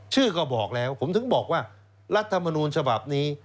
ชื่อก็บอกแล้วผมถึงบอกว่ารัฐมนูลฉบับนี้